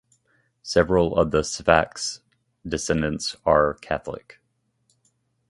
Several of the Syphax descendants were Catholic.